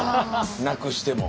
なくしても。